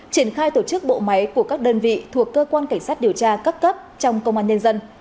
triển khai tổ chức bộ máy của các đơn vị thuộc cơ quan cảnh sát điều tra cấp cấp trong công an nhân dân